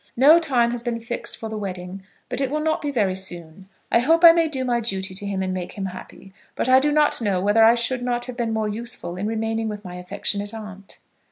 No time has been fixed for the wedding, but it will not be very soon. I hope I may do my duty to him and make him happy; but I do not know whether I should not have been more useful in remaining with my affectionate aunt."